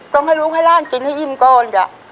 ต้องให้ร่างกินให้ยิ่มก้อนจ๊ะ